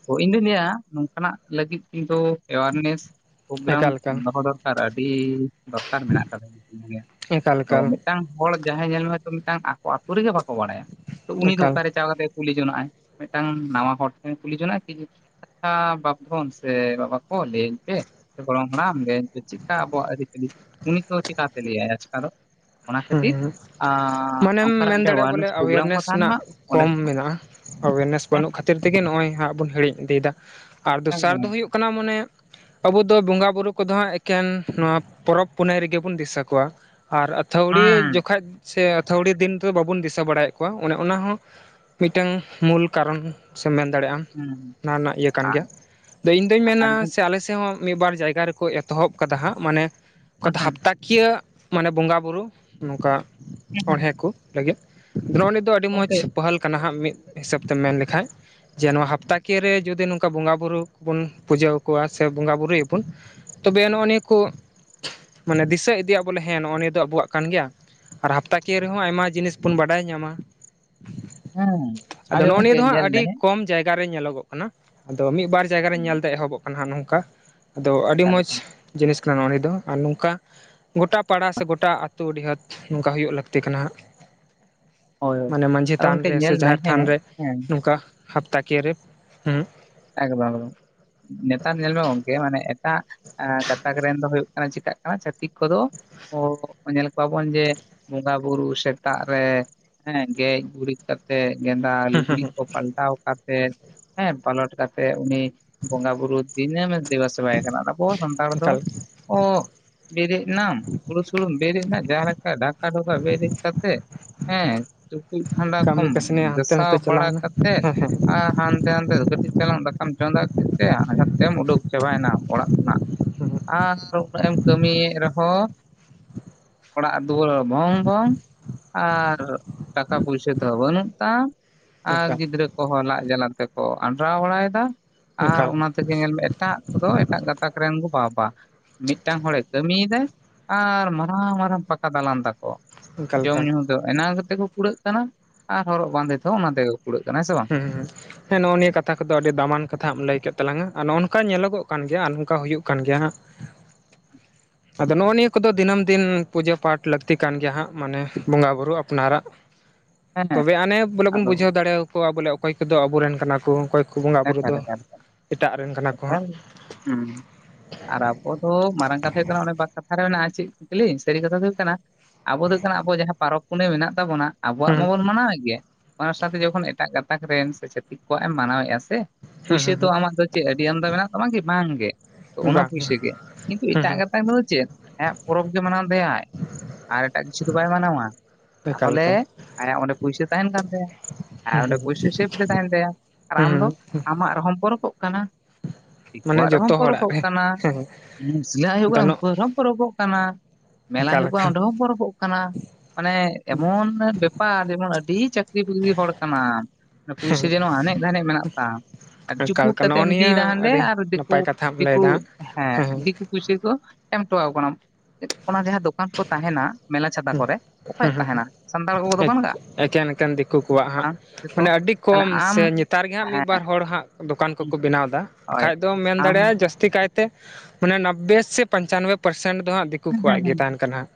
ᱛᱚ ᱤᱧ ᱫᱚᱧ ᱞᱟᱹᱭᱟ ᱱᱚᱝᱠᱟ ᱱᱟᱜ ᱞᱟᱹᱜᱤᱫ ᱠᱤᱱᱛᱩ ᱮᱣᱟᱨᱱᱮᱥ ᱯᱳᱜᱽᱨᱟᱢ ᱮᱠᱟᱞ ᱮᱠᱟᱞ ᱫᱚᱦᱚ ᱫᱚᱨᱠᱟᱨ ᱟᱹᱰᱤ ᱫᱚᱨᱠᱟᱨ ᱢᱮᱱᱟᱜ ᱟᱠᱟᱫᱟ᱾ ᱮᱠᱟᱞ ᱛᱚ ᱮᱠᱟᱞ ᱢᱤᱫᱴᱟᱝ ᱦᱚᱲ ᱡᱟᱦᱟᱸᱭ ᱧᱮᱞᱢᱮ ᱛᱚ ᱢᱤᱫᱴᱟᱝ ᱟᱠᱚ ᱟᱛᱳ ᱨᱮᱜᱮ ᱵᱟᱠᱚ ᱵᱟᱲᱟᱭᱟ᱾ ᱛᱚ ᱩᱱᱤ ᱫᱚ ᱮᱠᱟᱞ ᱚᱠᱟ ᱨᱮ ᱪᱟ ᱠᱟᱛᱮᱜ ᱮ ᱠᱩᱞᱤ ᱡᱚᱱᱟᱜᱼᱟᱭ ᱾ᱢᱤᱫᱴᱟᱝ ᱱᱟᱣᱟ ᱦᱚᱲ ᱴᱷᱮᱱᱮ ᱠᱩᱞᱤ ᱡᱚᱱᱟᱜ ᱟᱭ ᱠᱤ? ᱟᱪᱪᱷᱟ ᱵᱟᱯᱫᱷᱚᱱ ᱥᱮ ᱵᱟᱵᱟ ᱠᱚ ᱞᱟᱹᱭᱟᱹᱧ ᱯᱮ ᱜᱚᱲᱚᱢ ᱦᱟᱲᱟᱢ ᱞᱟ. ᱭ ᱤᱧ ᱯᱮ ᱪᱮᱫᱠᱟ ᱟᱵᱚᱣᱟᱜ ᱟᱹᱨᱤᱪᱟᱹᱞᱤ ᱩᱱᱤ ᱫᱚ ᱪᱤᱠᱟ ᱛᱮ ᱞᱟᱹᱭ ᱟᱭ ᱟᱪᱠᱟ ᱫᱚ ᱾ ᱦᱩᱸ, ᱦᱩᱸ ᱢᱟᱱᱮᱢ ᱚᱱᱠᱟᱱᱟᱜ ᱢᱮᱱ ᱢᱤᱫᱴᱮᱱ ᱫᱟᱲᱮᱭᱟᱜᱼᱟ ᱵᱚᱞᱮ, ᱮᱣᱟᱨᱱᱮᱥ ᱯᱨᱳᱜᱨᱟᱢ ᱠᱚ ᱮᱣᱮᱨᱱᱮᱥ ᱛᱟᱦᱮᱱ ᱨᱮᱱᱟᱜ ᱢᱟ ᱚᱸᱰᱮ ᱠᱚᱢ ᱠᱷᱚᱱᱟᱜ ᱢᱮᱱᱟᱜᱼᱟ ᱾ ᱮᱣᱮᱨᱱᱮᱥ ᱦᱮᱸ ᱵᱟᱹᱱᱩᱜ ᱠᱷᱟᱹᱛᱤᱨ ᱛᱮᱜᱮ, ᱱᱚᱜᱼᱚᱭ ᱦᱟᱸᱜ ᱵᱚᱱ ᱦᱤᱲᱤᱧ ᱤᱫᱤᱭᱮᱫᱟ ᱟᱨ ᱫᱚᱥᱟᱨ ᱮᱠᱫᱚᱢ ᱫᱚ ᱦᱩᱭᱩᱜ ᱠᱟᱱᱟ ᱢᱟᱱᱮ ᱟᱵᱚ ᱫᱚ ᱵᱚᱸᱜᱟ ᱵᱩᱨᱩ ᱠᱚᱫᱚ ᱦᱟᱸᱜ ᱮᱠᱮᱱ ᱱᱚᱣᱟ ᱯᱚᱨᱚᱵᱽ ᱯᱩᱱᱟᱹᱭ ᱨᱮᱜᱮ ᱵᱚᱱ ᱫᱤᱥᱟᱹ ᱠᱚᱣᱟ ᱟᱨ ᱛᱷᱟᱹᱣᱲᱤ ᱦᱮᱸ ᱡᱚᱠᱷᱟᱡ ᱥᱮ ᱟᱹᱛᱷᱟᱹᱣᱲᱤ ᱫᱤᱱ ᱫᱚ ᱵᱟᱵᱚᱱ ᱫᱤᱥᱟᱹ ᱵᱟᱲᱟᱭ ᱮᱫ ᱠᱚᱣᱟ ᱚᱱᱮ ᱚᱱᱟ ᱦᱚᱸ ᱢᱤᱫᱴᱟᱝ ᱢᱩᱞ ᱠᱟᱨᱚᱱ᱾ ᱥᱮᱢ ᱢᱮᱱ ᱫᱟᱲᱮᱭᱟᱜᱼᱟᱢ ᱦᱮᱸ ᱱᱚᱣᱟ ᱨᱮᱱᱟᱜ ᱤᱭᱟᱹ ᱠᱟᱱ ᱜᱮᱭᱟ ᱤᱧ ᱫᱩᱧ ᱢᱮᱱᱟ ᱟᱨ ᱥᱮ ᱜᱚᱢᱠᱮ ᱟᱞᱮ ᱥᱮᱫ ᱦᱚ ᱢᱤᱫ ᱵᱟᱨ ᱡᱟᱭᱜᱟ ᱨᱮᱠᱚ ᱮᱛᱚᱦᱚᱵ ᱟᱠᱟᱫᱟ ᱦᱟᱸᱜ ᱢᱟᱱᱮ ᱚ ᱦᱮᱸ ᱦᱮᱸ ᱦᱟᱯᱛᱟᱠᱤᱭᱟᱹ ᱢᱟᱱᱮ ᱵᱚᱸᱜᱟ ᱵᱩᱨᱩ ᱱᱚᱝᱠᱟ ᱜᱚᱢᱠᱮ ᱦᱮᱸ ᱟᱲᱦᱮᱸ ᱠᱚ ᱞᱟᱹᱜᱤᱫ ᱫᱨᱚᱱᱤ ᱫᱚ ᱟᱹᱰᱤ ᱜᱚᱝᱠᱮ ᱢᱚᱸᱡᱽ ᱯᱟᱹᱦᱟᱞ ᱠᱟᱱᱟ ᱦᱟᱸᱜ ᱢᱤᱫ ᱦᱤᱥᱟᱹᱵ ᱛᱮᱢ ᱢᱮᱱ ᱞᱮᱠᱟᱱ ᱡᱮ ᱱᱚᱣᱟ ᱦᱟᱯᱛᱟ ᱠᱤᱭᱟ. ᱨᱮ ᱡᱩᱫᱤ ᱱᱚᱝᱠᱟ ᱵᱚᱸᱜᱟᱼᱵᱩᱨᱩ ᱠᱚ ᱵᱚᱱ ᱯᱩᱡᱟᱹ ᱟᱠᱚᱣᱟ ᱥᱮ ᱵᱚᱸᱜᱟᱼ ᱵᱩᱨᱩ ᱭᱟᱵᱚᱱ ᱛᱚᱵᱮ ᱱᱚᱜᱼᱚ ᱱᱤᱭᱟᱹ ᱠᱚ ᱢᱟᱱᱮ ᱫᱤᱥᱟᱹ ᱤᱫᱤᱭᱟ ᱵᱚᱞᱮ ᱦᱮᱸ ᱱᱚᱜᱼᱚ ᱱᱤᱭᱟᱹ ᱫᱚ ᱟᱵᱚᱣᱟᱜ ᱠᱟᱱ ᱜᱮᱭᱟ ᱟᱨ ᱦᱟᱯᱛᱟ ᱠᱤᱭᱟᱹ ᱨᱮᱦᱚᱸ ᱟᱭᱢᱟ ᱡᱤᱱᱤᱥ ᱵᱚᱱ ᱵᱟᱰᱟᱭ ᱧᱟᱢᱟ᱾ ᱦᱮᱸ ᱟᱫᱚ ᱱᱚᱜᱼᱚ ᱜᱚᱢᱠᱮ ᱱᱤᱭᱟᱹ ᱫᱚ ᱦᱟᱸᱜ ᱧᱮᱞ ᱢᱮ ᱟᱹᱰᱤ ᱦᱮᱸ ᱠᱚᱢ ᱡᱟᱭᱜᱟ ᱨᱮ ᱧᱮᱞᱚᱜᱚᱜ ᱠᱟᱱᱟ ᱟᱫᱚ ᱢᱤᱫ ᱵᱟᱨ ᱡᱟᱭᱜᱟ ᱨᱮᱧ ᱧᱮᱞᱛᱮ ᱮᱦᱚᱵᱚᱜ ᱠᱟᱱᱟ ᱦᱟᱜ ᱱᱚᱝᱠᱟ ᱟᱫᱚ ᱟᱹᱰᱤ ᱮᱠᱟᱞ ᱢᱚᱸᱡᱽ ᱮᱠᱟᱞ ᱡᱤᱱᱤᱥ ᱠᱟᱱᱟ ᱱᱚᱜ-ᱚ ᱱᱤᱭᱟᱹ ᱫᱚ ᱟᱨ ᱱᱚᱝᱠᱟ ᱜᱚᱴᱟ ᱯᱟᱲᱟ ᱥᱮ ᱜᱚᱴᱟ ᱮᱴᱟᱜ ᱟᱹᱛᱳ ᱰᱤᱦᱟᱛ ᱱᱚᱝᱠᱟ ᱦᱩᱭᱩᱜ ᱞᱟᱹᱠᱛᱤ ᱠᱟᱱᱟ᱾ ᱦᱟᱜ ᱦᱳᱭ ᱦᱳᱭ ᱢᱟᱱᱮ ᱢᱟᱹᱡᱷᱤ ᱟᱫᱚ ᱛᱷᱟᱱ ᱜᱚᱝᱠᱮ ᱨᱮ ᱥᱮ ᱧᱮᱞ ᱢᱮ ᱡᱟᱦᱮᱨ ᱦᱮᱸ ᱛᱷᱟᱱ ᱨᱮ ᱦᱮᱸ ᱱᱚᱝᱠᱟ ᱦᱟᱯᱛᱟ ᱠᱤᱭᱟ. ᱨᱮ ᱦᱩᱸ ᱮᱠᱫᱚᱢ ᱮᱠᱫᱚᱢ ᱱᱮᱛᱟᱨ ᱧᱮᱞ ᱢᱮ ᱜᱚᱝᱠᱮ ᱢᱟᱱᱮ ᱮᱴᱟᱜ ᱜᱟᱛᱟᱠ ᱨᱮᱱ ᱫᱚ ᱦᱩᱭᱩᱜ ᱠᱟᱱᱟ ᱪᱤᱠᱟᱜ ᱠᱟᱱᱟ ᱪᱷᱟᱹᱛᱤᱠ ᱠᱚᱫᱚ ᱧᱮᱞ ᱠᱚᱣᱟ ᱵᱚᱱ ᱡᱮ ᱵᱚᱸᱜᱟ ᱵᱩᱨᱩ ᱥᱮᱛᱟᱜ ᱨᱮ ᱦᱮᱸ ᱜᱮᱡ ᱜᱩᱨᱤᱡ ᱠᱟᱛᱮᱜ ᱜᱮᱸᱫᱟ ᱞᱩᱜᱽᱲᱤᱡ ᱠᱚ ᱯᱟᱞᱴᱟᱣ ᱠᱟᱛᱮᱜ ᱦᱮᱸ ᱯᱟᱞᱚᱴ ᱠᱟᱛᱮ ᱩᱱᱤ ᱵᱚᱸᱜᱟ ᱵᱩᱨᱩ ᱫᱤᱱᱟ. ᱢ ᱮ ᱫᱮᱵᱚ ᱥᱮᱵᱟᱭ ᱠᱟᱱᱟ ᱟᱱᱟᱵᱚ ᱥᱟᱱᱛᱟᱲ ᱫᱚ ᱮᱠᱟᱞ ᱚ ᱵᱮᱨᱮᱫ ᱮᱱᱟᱢ ᱦᱩᱲᱩ ᱥᱩᱲᱩᱢ ᱵᱮᱨᱮᱫ ᱮᱱᱟ ᱡᱟᱦᱟ ᱞᱮᱠᱟ ᱰᱷᱟᱠᱟ ᱰᱷᱚᱠᱟ ᱵᱮᱨᱮᱫ ᱠᱟᱛᱮᱫ᱾ ᱦᱮᱸ ᱴᱩᱠᱩᱡ ᱠᱷᱟᱸᱰᱟ ᱠᱟᱹᱢᱤ ᱠᱚᱢ ᱠᱟᱹᱥᱱᱤ ᱦᱟᱱᱛᱮ ᱜᱟᱥᱟᱣ ᱱᱟᱛᱮ ᱵᱟᱲᱟ ᱪᱟᱞᱟᱣᱱᱟ ᱠᱟᱛᱮᱜ ᱦᱮᱸ ᱟᱨ ᱦᱟᱱᱛᱮ ᱱᱟᱛᱮ ᱠᱟᱴᱤᱡ ᱪᱟᱞᱚᱝ ᱫᱟᱠᱟᱢ ᱪᱚᱸᱫᱟ ᱠᱮᱫ ᱛᱮ ᱟᱛᱮᱢ ᱩᱰᱩᱠ ᱪᱟᱵᱟᱭ ᱮᱱᱟ ᱚᱲᱟᱜ ᱠᱷᱚᱱᱟᱜ᱾ ᱟᱨ ᱩᱱᱟᱹᱜ ᱮᱢ ᱠᱟᱹᱢᱤᱭᱮᱫ ᱨᱮᱦᱚᱸ ᱚᱲᱟᱜ ᱫᱩᱣᱟᱹᱨ ᱵᱷᱚᱝ ᱵᱷᱚᱝ ᱟᱨ ᱴᱟᱠᱟ ᱯᱩᱭᱥᱟᱹ ᱫᱚ ᱵᱟᱹᱱᱩᱜ ᱛᱟᱢ ᱦᱮᱸ ᱟᱨ ᱮᱠᱟᱞ ᱜᱤᱫᱽᱨᱟᱹ ᱠᱚᱦᱚᱸ ᱞᱟᱡ ᱡᱟᱞᱟ ᱛᱮᱠᱚ ᱟᱱᱰᱨᱟᱣ ᱵᱟᱲᱟᱭᱫᱟ ᱟᱨ ᱮᱠᱟᱞ ᱚᱱᱟ ᱧᱮᱞ ᱢᱮ ᱮᱴᱟᱜ ᱠᱚᱫᱚ ᱮᱴᱟᱜ ᱜᱟᱛᱟᱠ ᱨᱮᱱ ᱠᱚ ᱵᱟᱵᱟ ᱢᱤᱫᱴᱟᱝ ᱦᱚᱲᱮ ᱠᱟᱹᱢᱤᱭ ᱮᱫᱟ ᱟᱨ ᱢᱟᱨᱟᱝ ᱢᱟᱨᱟᱝ ᱯᱟᱠᱟ ᱫᱟᱞᱟᱱ ᱛᱟᱠᱚ᱾ ᱮᱠᱟᱞ ᱡᱚᱢ ᱮᱠᱟᱞ ᱧᱩ ᱫᱚ ᱮᱱᱟ ᱠᱟᱛᱮ ᱠᱚ ᱠᱩᱲᱟᱹᱜ ᱠᱟᱱᱟ ᱟᱨ ᱦᱚᱨᱚᱜ ᱵᱟᱸᱫᱮ ᱛᱮᱦᱚᱸ ᱚᱱᱟ ᱛᱮ ᱜᱮ ᱾ ᱦᱩᱸ ᱦᱮᱸ ᱱᱚᱜᱼᱚ ᱱᱤᱭᱟᱹ ᱠᱟᱛᱷᱟ ᱠᱚᱫᱚ ᱟᱹᱰᱤ ᱫᱟᱢᱟᱱ ᱠᱟᱛᱷᱟ ᱞᱟᱹᱭ ᱠᱮᱫ ᱛᱟᱞᱟᱝ ᱟ ᱟᱨ ᱱᱚᱜᱼᱚ ᱱᱚᱝᱠᱟ ᱧᱮᱞᱚ ᱜᱚᱜ ᱠᱟᱱ ᱜᱮᱭᱟ ᱟᱨ ᱱᱚᱝᱠᱟ ᱦᱩᱭᱩᱜ ᱠᱟᱱ ᱜᱮᱭᱟ ᱦᱟᱸᱜ *inaudible* ᱟᱫᱚ ᱱᱚᱜᱼᱚ ᱱᱤᱭᱟᱹ ᱠᱚᱫᱚ ᱫᱤᱱᱟᱹᱢ ᱫᱤᱱ ᱯᱩᱡᱟᱹ ᱯᱟᱴ ᱞᱟᱹᱠᱛᱤ ᱠᱟᱱ ᱜᱮᱭᱟ ᱦᱟᱸᱜ ᱢᱟᱱᱮ ᱵᱚᱸᱜᱟ ᱵᱩᱨᱩ ᱟᱯᱱᱟᱨᱟᱜ᱾ *inaudible* ᱛᱚᱵᱮ ᱟᱱᱮ ᱵᱚᱞᱮ ᱵᱚᱱ ᱟᱫᱚ ᱵᱩᱡᱷᱟᱹᱣ ᱫᱟᱲᱮ ᱭᱟᱠᱚᱣᱟ ᱵᱚᱞᱮ ᱚᱠᱚᱭ ᱠᱚᱫᱚ ᱟᱵᱚᱨᱮᱱ ᱠᱟᱱᱟ ᱠᱚ ᱚᱠᱚᱭ ᱠᱩ ᱵᱚᱸᱜᱟ ᱵᱩᱨᱩ ᱮᱠᱟᱞ ᱫᱚ ᱮᱠᱟᱞ ᱮᱴᱟᱜ ᱨᱮᱱ ᱠᱟᱱᱟ ᱠᱚ ᱮᱠᱟᱞ ᱦᱟᱸᱜ ᱦᱩᱸ ᱟᱨ ᱟᱵᱚ ᱫᱚ ᱢᱟᱨᱟᱝ ᱠᱟᱛᱷᱟ ᱦᱩᱭᱩᱜ ᱠᱟᱱᱟ ᱚᱱᱮ ᱵᱟᱠ ᱠᱟᱛᱷᱟ ᱨᱮ ᱢᱮᱱᱟᱜᱼᱟ ᱪᱮᱫ ᱠ ᱞᱮᱤᱧ ᱥᱟᱹᱨᱤ ᱠᱟᱛᱷᱟ ᱫᱚ ᱦᱩᱭᱩᱜ ᱠᱟᱱᱟ᱾ ᱟᱵᱚ ᱫᱚ ᱦᱳᱭᱳᱜ ᱠᱟᱱᱟ ᱟᱵᱚ ᱡᱟᱦᱟᱸ ᱯᱚᱨᱚᱵᱽ ᱯᱩᱱᱟᱹᱭ ᱢᱮᱱᱟᱜ ᱛᱟᱵᱚᱱᱟ᱾ ᱟᱵᱚᱣᱟᱜ ᱦᱩᱸ ᱢᱟᱵᱚᱱ ᱢᱟᱱᱟᱣᱮᱫ ᱜᱮᱭᱟ ᱚᱱᱟ ᱥᱟᱶᱛᱮ ᱡᱚᱠᱷᱚᱱ ᱮᱴᱟᱜ ᱜᱟᱛᱟᱠ ᱨᱮᱱ ᱥᱮ ᱪᱷᱟᱹᱛᱤᱠ ᱠᱚᱣᱟᱜ ᱮᱢ ᱢᱟᱱᱟᱣᱮᱫᱼᱟ ᱥᱮ ᱦᱩᱸ ᱯᱩᱭᱥᱟᱹ ᱫᱚ ᱦᱩᱸ ᱟᱢᱟᱜ ᱫᱚ ᱪᱮᱫ ᱟᱹᱰᱤ ᱟᱢᱫᱟ ᱢᱮᱱᱟᱜ ᱛᱟᱢᱟ ᱠᱤ ᱵᱟᱝ ᱜᱮ ᱾ ᱛᱚ ᱦᱩᱸ ᱚᱱᱟ ᱵᱟᱝ ᱯᱩᱭᱥᱟᱹ ᱜᱮ ᱠᱤᱱᱛᱩ ᱦᱩᱸ ᱮᱴᱟᱜ ᱦᱩᱸ ᱜᱟᱛᱟᱜ ᱫᱚ ᱪᱮᱫ ᱟᱭᱟᱜ ᱯᱚᱨᱚᱵᱽ ᱜᱮ ᱢᱟᱱᱟᱣ ᱛᱟᱭᱟᱭ᱾ ᱟᱨ ᱮᱴᱟᱜ ᱠᱤᱪᱷᱩ ᱫᱚ ᱵᱟᱭ ᱢᱟᱱᱟᱣᱟ ᱾ ᱮᱠᱟᱞ ᱛᱟᱦᱚᱞᱮ ᱮᱠᱟᱞ ᱟᱭᱟᱜ ᱚᱸᱰᱮ ᱯᱩᱭᱥᱟᱹ ᱛᱟᱦᱮᱱ ᱠᱟᱱ ᱛᱟᱭᱟ ᱾ ᱟᱨ ᱚᱸᱰᱮ ᱦᱩᱸ ᱯᱩᱭᱥᱟᱹ ᱥᱮᱯᱷ ᱛᱮ ᱛᱟᱦᱮᱱ ᱛᱟᱭᱟ᱾ ᱟᱨ ᱟᱢ ᱫᱚ *inaudible* ᱟᱢᱟᱜ ᱨᱮᱦᱚᱸᱢ ᱯᱚᱨᱚᱵᱚᱜ ᱠᱟᱱᱟ ᱾ ᱢᱟᱱᱮ ᱫᱤᱠᱩᱣᱟᱜ ᱨᱮᱦᱚᱸᱢ ᱡᱚᱛᱚ ᱦᱚᱲᱟᱜ ᱯᱚᱨᱚᱵᱚᱜ ᱨᱮ ᱠᱟᱱᱟ ᱾ ᱦᱮᱸ ᱢᱩᱥᱞᱣᱟᱜ ᱦᱩᱭᱩᱜ ᱠᱟᱱᱟ ᱫᱚᱱᱚᱜ ᱩᱱᱠᱩᱣᱟᱜ ᱨᱮᱦᱚᱸᱢ ᱯᱚᱨᱚᱵᱚᱜ ᱠᱟᱱᱟ ᱾ ᱢᱮᱞᱟ ᱮᱠᱟᱞ ᱦᱩᱭᱩᱜ ᱠᱟᱱᱟ ᱮᱠᱟᱞ ᱚᱸᱰᱮ ᱦᱚᱸ ᱯᱚᱨᱯᱚᱜ ᱠᱟᱱᱟ ᱾ ᱢᱟᱱᱮ ᱮᱢᱚᱱ ᱵᱮᱯ ᱟᱨ ᱡᱮᱢᱚᱱ ᱟᱹᱰᱤ ᱪᱟᱹᱠᱨᱤ ᱵᱟᱹᱠᱨᱤ ᱦᱚᱲ ᱠᱟᱱᱟᱢ ᱾ ᱯᱩᱭᱥᱟᱹ ᱦᱮᱸ ᱡᱮᱱᱚ ᱟᱱᱮᱡ ᱫᱷᱟᱱᱮᱡ ᱢᱮᱱᱟᱜ ᱟᱨ ᱮᱠᱟᱞ ᱪᱩᱯᱩᱫ ᱮᱠᱟᱞ ᱱᱚᱜᱼᱚ ᱠᱟᱛᱮᱢ ᱤᱫᱤᱭᱮᱫᱟ ᱱᱤᱭᱟᱹ ᱦᱟᱸᱰᱮ ᱟᱹᱰᱤ ᱟᱨ ᱫᱤᱠᱩ ᱱᱟᱯᱟᱭ ᱠᱟᱛᱷᱟᱢ ᱫᱤᱠᱩ ᱞᱟᱹᱭᱫᱟ ᱦᱮᱸ ᱫᱤᱠ ᱯᱩᱭᱥᱟᱹ ᱠᱚ ᱮᱢ ᱦᱚᱴᱚᱣᱟ ᱠᱚ ᱠᱟᱱᱟᱢ ᱾ ᱚᱱᱟ ᱡᱟᱦᱟᱸ ᱫᱚ ᱫᱚᱠᱟᱱ ᱠᱚ ᱛᱟᱦᱮᱱᱟ ᱢᱮᱞᱟ ᱪᱷᱟᱛᱟ ᱠᱚᱨᱮ ᱦᱮᱸ ᱚᱠᱚᱭᱟᱜ ᱦᱮᱸ ᱛᱟᱦᱮᱱᱟ? ᱥᱟᱱᱛᱟᱲ ᱠᱚᱠᱚ ᱫᱚᱠᱟᱱ ᱟᱠᱟᱫᱼᱟ? ᱮᱠᱮᱱ ᱮᱠᱮᱱ ᱫᱤᱠᱩ ᱠᱚᱣᱟᱜ ᱦᱟᱸᱜ ᱢᱟᱱᱮ *unintelligible* ᱟᱹᱰᱤ ᱛᱟᱦᱞᱮ ᱠᱚᱢ ᱟᱢ ᱥᱮ ᱱᱮᱛᱟᱨ ᱜᱮ ᱦᱟᱸᱜ ᱢᱤᱫ ᱦᱮᱸ ᱵᱟᱨ ᱦᱚᱲ ᱦᱟᱸᱜ ᱫᱚᱠᱟᱱ ᱠᱚᱠᱚ ᱵᱮᱱᱟᱣ ᱮᱫᱟ ᱾ ᱦᱳᱭ ᱵᱟᱠᱷᱟᱡ ᱫᱚᱢ ᱢᱮᱱ ᱟᱢ ᱫᱟᱲᱮᱭᱟᱜᱼᱟ ᱡᱟᱹᱥ ᱛᱤ ᱠᱟᱭᱛᱮ ᱢᱟᱱᱮ ᱱᱚᱵᱽᱵᱮ ᱥᱮ ᱯᱚᱧᱪᱟᱱᱵᱚᱭ ᱯᱟᱨᱥᱮᱱᱴ ᱫᱚ ᱦᱟᱸᱜ ᱫᱤᱠᱩ ᱦᱩᱸ ᱦᱩᱸ ᱠᱚᱣᱟᱜ ᱜᱮ ᱦᱩᱸ ᱾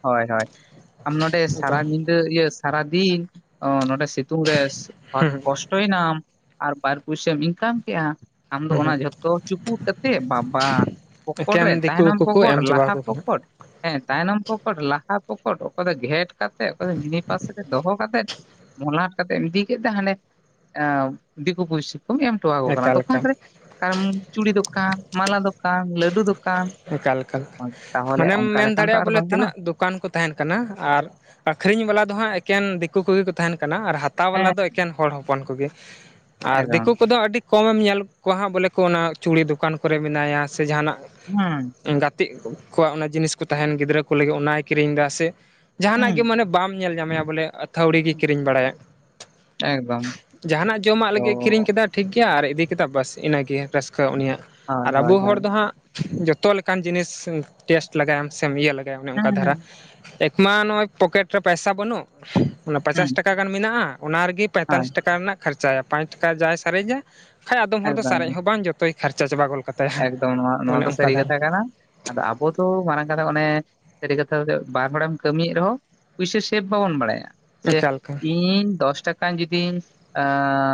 ᱦᱳᱭ ᱦᱳᱭ ᱾ ᱟᱢ ᱱᱚᱰᱮ ᱥᱟᱨᱟ ᱮᱠᱫᱚᱢ ᱧᱤᱫᱟᱹ ᱤᱭᱟᱹ ᱥᱟᱨᱟᱫᱤᱱ ᱚ ᱱᱚᱰᱮ ᱥᱤᱛ ᱥᱤᱛᱩᱝ ᱨᱮ ᱦᱩᱸ ᱠᱚᱥᱴᱚᱭ ᱮᱱᱟᱢ ᱟᱨ ᱵᱟᱨ ᱯᱩᱭᱥᱟᱹᱢ ᱤᱱᱠᱟᱢ ᱠᱮᱜᱼᱟ ᱾ ᱟᱢᱫᱚ ᱦᱩᱸ ᱚᱱᱟ ᱦᱩᱸ ᱡᱷᱚᱛᱚ ᱪᱩᱯᱩᱫ ᱠᱟᱛᱮᱫ ᱵᱟᱵ ᱵᱟ ᱯᱚᱠᱚᱴ ᱮᱠᱮᱱ ᱨᱮ ᱫᱤᱠᱩ ᱛᱟᱭᱱᱚᱢ ᱠᱚᱠᱚ ᱯᱚᱠᱚᱴ ᱮᱢ ᱪᱟᱵᱟᱣ ᱞᱟᱦᱟ ᱠᱚ ᱠᱟᱱᱟ ᱯᱚᱠᱚᱴ ᱦᱮᱸ ᱛᱟᱭᱱᱚᱢ ᱯᱚᱠᱚᱴ ᱞᱟᱦᱟ ᱯᱚᱠᱚᱴ ᱚᱠᱚᱭ ᱫᱚ ᱜᱷᱮᱴ ᱠᱟᱛᱮᱫ ᱚᱠᱚᱭ ᱫᱚ ᱢᱤᱱᱤ ᱯᱟᱥ ᱨᱮ ᱫᱚᱦᱚ ᱠᱟᱛᱮᱫ ᱢᱚᱞᱟᱴ ᱠᱟᱛᱮ ᱮᱢ ᱤᱫᱤ ᱠᱮᱫ ᱛᱮ ᱦᱟᱰᱮ ᱮ ᱫᱤᱠᱩ ᱯᱩᱥᱤ ᱠᱚᱢ ᱮᱢ ᱦᱚᱴᱚᱣᱟᱠᱚ ᱠᱟᱱᱟ ᱮᱠᱟᱞ ᱫᱚᱠᱟᱱ ᱮᱠᱟᱞ ᱨᱮ ᱾ ᱚᱠᱟ ᱨᱮ ᱪᱩᱲᱤ ᱫᱚᱠᱟᱱ ᱢᱟᱞᱟ ᱫᱚᱠᱟᱱ ᱞᱟᱹᱰᱩ ᱫᱚᱠ ᱮᱠᱟᱞ ᱮᱠᱟᱞ, ᱢᱟᱱᱮᱢ ᱚᱱᱠᱟ ᱢᱮᱱ ᱞᱮᱠᱷᱟᱱ ᱛᱚ ᱫᱟᱲᱮᱭᱟᱜᱼᱟ ᱟᱨ ᱵᱚᱞᱮ ᱵᱟᱝ ᱛᱤᱱᱟᱹᱜ ᱜᱟᱱᱚᱜᱼᱟ ᱫᱩᱠ ᱫᱚᱠᱟᱱ ᱠᱚ ᱛᱟᱦᱮᱱ ᱠᱟᱱᱟ ᱟᱨ ᱟᱠᱷᱨᱤᱧ ᱵᱟᱞᱟ ᱫᱚ ᱦᱟᱸᱜ ᱮᱠᱮᱱ ᱫᱤᱠᱩ ᱠᱚᱜᱮ ᱠᱚ ᱛᱟᱦᱮᱱ ᱠᱟᱱᱟ ᱾ ᱟᱨ ᱦᱟᱛᱟᱣ ᱵᱟᱞᱟ ᱦᱮᱸ ᱫᱚ ᱮᱠᱮᱱ ᱦᱚᱲ ᱦᱚᱯᱚᱱ ᱠᱚᱜᱮ ᱟᱨ ᱫᱤᱠᱩ ᱦᱮᱸ ᱠᱚᱫᱚ ᱟᱹᱰᱤ ᱠᱚᱢᱮᱢ ᱧᱮᱞ ᱠᱚᱣᱟ ᱦᱟᱸᱜ ᱵᱚᱞᱮ ᱠᱚ ᱚᱱᱟ ᱪᱩᱲᱤ ᱫᱚᱠᱟᱱ ᱠᱚᱨᱮ ᱢᱮᱱᱟᱭᱟ ᱥᱮ ᱡᱟᱦᱟᱱᱟᱜ ᱦᱩᱸ ᱾ ᱜᱟᱛᱮᱜ ᱠᱚᱣᱟᱜ ᱚᱱᱟ ᱡᱤᱱᱤᱥ ᱠᱚ ᱛᱟᱦᱮᱱ ᱜᱤᱫᱽᱨᱟᱹ ᱠᱚ ᱞᱟᱹᱜᱤᱫ ᱚᱱᱟᱭ ᱠᱤᱨᱤᱧ ᱮᱫᱟ ᱥᱮ ᱡᱟᱦᱟᱱᱟᱜ ᱦᱩᱸ ᱜᱮ ᱢᱟᱱᱮ ᱵᱟᱢ ᱧᱮᱞ ᱧᱟᱢᱮᱭᱟ ᱵᱚᱞᱮ ᱟᱹ ᱛᱷᱣᱲᱤ ᱜᱮ ᱠᱤᱨᱤᱧ ᱵᱟᱲᱟᱭᱟ ᱾ ᱡᱟᱦᱟᱱᱟᱜ ᱡᱚᱢᱟᱜ ᱞᱟᱹᱜᱤᱫ ᱮ ᱠᱤᱨᱤᱧ ᱠᱮᱫᱟ ᱴᱷᱤᱠ ᱜᱮᱭᱟ ᱟᱨ ᱤᱫᱤ ᱠᱮᱫᱟ ᱵᱟᱥ ᱤᱱᱟᱹᱜᱮ ᱨᱟᱹᱥᱠᱟᱹ ᱩᱱᱤᱭᱟᱜ ᱦᱳᱭ, ᱟᱨ ᱦᱳᱭ, ᱟᱵᱚ ᱦᱳᱭ, ᱦᱚᱲ ᱫᱚ ᱦᱟᱸᱜ ᱡᱚᱛ ᱛᱚ ᱞᱮᱠᱟᱱ ᱡᱤᱱᱤᱥ ᱴᱮᱥᱴ ᱞᱮᱜᱟᱭᱟᱢ ᱥᱮᱢ ᱤᱭᱟᱹ ᱞᱮᱜᱟᱭᱟ ᱚᱱᱮ ᱦᱮᱸ, ᱚᱱᱠᱟ ᱦᱮᱸ, ᱫᱷᱟᱨᱟ ᱢᱟ ᱱᱚᱜᱼᱚᱭ ᱯᱚᱠᱮᱴ ᱨᱮ ᱯᱚᱭᱥᱟ ᱵᱟᱹᱱᱩᱜ, ᱚᱱᱟ ᱦᱮᱸ, ᱯᱟᱪᱟᱥ ᱴᱟᱠᱟ ᱜᱟᱱ ᱢᱮᱱᱟᱜᱼᱟ ᱚᱱᱟ ᱨᱮᱜᱮ ᱦᱳᱭ, ᱯᱚᱭᱛᱟᱞᱞᱤᱥ ᱴᱟᱠᱟ ᱨᱮᱱᱟᱜ ᱠᱷᱚᱨᱪᱟᱭᱟ ᱾ ᱯᱟᱸᱪ ᱴᱟᱠᱟ ᱡᱟᱭ ᱥᱟᱨᱮᱡᱟ ᱠᱷᱟᱡ ᱟᱫᱚᱢ ᱦᱚᱲ ᱫᱚ ᱥᱟᱨᱮᱡ ᱮᱠᱫᱚᱢ, ᱦᱚᱸ ᱵᱟᱝ ᱡᱚᱛᱚᱭ ᱠᱷᱟᱨᱪᱟ ᱪᱟᱵᱟ *unintelligible* ᱮᱠᱫᱚᱢ ᱱᱚᱣᱟ ᱱᱚᱣᱟ ᱚᱱᱮ ᱫᱚ ᱚᱱᱠᱟ ᱥᱟᱹᱨᱤ ᱫᱷᱟᱨᱟ ᱠᱟᱛᱷᱟ ᱠᱟᱱᱟ ᱾ ᱟᱫᱚ ᱟᱵᱚ ᱫᱚ ᱢᱟᱨᱟᱝ ᱠᱟᱛᱷᱟ ᱚᱱᱮ ᱥᱟᱹᱨᱤ ᱠᱟᱛᱷᱟ ᱵᱟᱨ ᱦᱚᱲᱮᱢ ᱠᱟᱹᱢᱤᱭᱮᱫ ᱨᱮᱦᱚᱸ ᱯᱩᱭᱥᱟᱹ ᱥᱮᱵᱷ ᱵᱟᱵᱚᱱ ᱵᱟᱲᱟᱭᱟ ᱡᱮ ᱮᱠᱟᱞ ᱮᱠᱟᱞ ᱤᱧ ᱫᱚᱥ ᱴᱟ ᱠᱟ ᱡᱩᱫᱤᱧ ᱟᱻ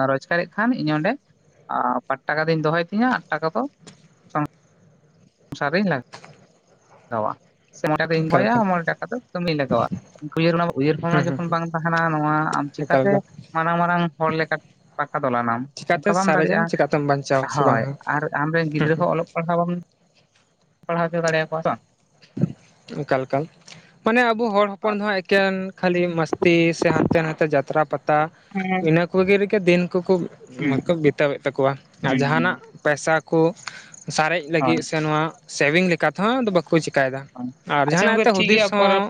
ᱨᱚᱡᱽᱠᱟᱨᱮᱜ ᱠᱷᱟᱱ ᱤᱧ ᱚᱸᱰᱮ ᱟᱻ ᱵᱟᱴ ᱴᱟᱠᱟ ᱫᱩᱧ ᱫᱚᱦᱚᱭ ᱛᱤᱧᱟᱹ ᱟᱴ ᱴᱟᱠᱟ ᱫᱚ ᱥᱚᱝ ᱥᱚᱝᱥᱟᱨ ᱨᱤᱧ ᱞᱟᱜ *inaudible* ᱜᱟᱣᱟ ᱾ ᱥᱮ ᱢᱚᱬᱮ ᱴᱟᱠᱟ ᱫᱚᱧ ᱮᱠᱟᱞ ᱫᱚᱦᱚᱭᱟ ᱮᱠᱟᱞ ᱾ ᱢᱚᱬᱮ ᱴᱟᱠᱟ ᱫᱚ ᱠᱟᱹᱢᱤ ᱨᱤᱧ ᱞᱟᱜᱟᱣᱟ ᱾ ᱩᱭᱦᱟᱹᱨ ᱦᱩᱸ ᱵᱷᱟᱵᱽᱱᱟ ᱦᱩᱸ ᱡᱚᱠᱷᱚᱱ ᱵᱟᱝ ᱛᱟᱦᱮᱱᱟ ᱱᱚᱣᱟ ᱟᱢ ᱪᱤᱠᱟ ᱮᱠᱟᱞ ᱛᱮ ᱮᱠᱟᱞ ᱢᱟᱨᱟᱝ ᱢᱟᱨᱟᱝ ᱦᱚᱲ ᱞᱮᱠᱟ *unintelligible* ᱯᱟᱠᱟ ᱫᱚᱞᱟᱱᱟᱢ, ᱪᱤᱠᱟᱛᱮ ᱚᱱᱠᱟ ᱵᱟᱢ ᱫᱟᱲᱮᱜᱼᱟ, ᱥᱟᱨᱮᱡᱟᱢ ᱪᱤᱠᱟᱛᱮᱢ ᱵᱟᱧᱪᱟᱣᱟ ᱥᱮ ᱦᱳᱭ ᱵᱟᱝ ᱾ ᱟᱨ ᱟᱢᱨᱮᱱ ᱜᱤᱫᱽᱨᱟᱹ ᱦᱚᱸ ᱚᱞᱚᱜ ᱯᱟᱲᱦᱟᱣ ᱵᱟᱢ ᱯᱟᱲᱦᱟᱣ ᱚᱪᱚ ᱫᱟᱲᱮᱭᱟᱠᱚᱣᱟ ᱦᱮᱸᱥᱮ ᱵᱟᱝ ᱾ ᱮᱠᱟᱞ ᱮᱠᱟᱞ ᱾ ᱢᱟᱱᱮ ᱟᱵᱚ ᱦᱚᱲ ᱦᱚᱯᱚᱱ ᱦᱳᱭ ᱫᱚ ᱦᱟᱸᱜ ᱮᱠᱮᱱ ᱠᱷᱟᱹᱞᱤ ᱢᱟᱥ ᱛᱤ ᱥᱮ ᱦᱟᱱᱛᱮ ᱱᱟᱛᱮ ᱡᱟᱛᱨᱟ ᱯᱟᱛᱟ ᱦᱮᱸ ᱤᱱᱟᱹ ᱠᱚᱜᱮ ᱨᱮᱜᱮ ᱫᱤᱱ ᱠᱚᱠᱚ ᱢᱟᱠᱚ ᱦᱮᱸ ᱵᱤᱛᱟᱹᱮᱫ ᱛᱟᱠᱚᱣᱟ ᱟᱨ ᱦᱮᱸ ᱡᱟᱦᱟᱱᱟᱜ ᱯᱮᱭᱥᱟ ᱠᱩ ᱥᱟᱨᱮᱡ ᱦᱳᱭ ᱞᱟᱹᱜᱤᱫ ᱥᱮ ᱱᱚᱣᱟ ᱥᱮᱵᱷᱤᱝ ᱞᱮᱠᱟ ᱛᱮᱦᱚᱸ ᱵᱟᱠᱚ ᱪᱤ ᱠᱟᱭᱫᱟ ᱦᱳᱭ ᱟᱨ ᱟᱪᱪᱷᱟ ᱡᱟᱦᱟᱱᱟᱜ ᱜᱚᱝᱠᱮ ᱛᱮ ᱴᱷᱤᱠ ᱜᱮᱭᱟ ᱦᱩᱫᱤᱥ ᱯᱚᱨᱮ ᱦᱚᱸ